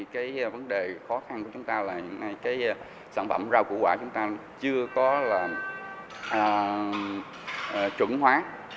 hiện nay sản phẩm rau củ quả chúng ta chưa có là trụng hóa